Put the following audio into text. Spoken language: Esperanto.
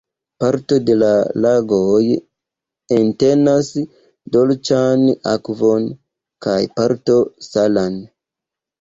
Parto de la lagoj entenas dolĉan akvon kaj parto salan.